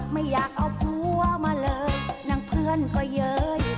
ไม่อยากเอาผัวมาเลยนางเพื่อนก็เย้ย